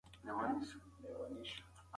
زموږ د تاریخ پاڼې د پښتو ژبې په پاللو خوندي کېږي.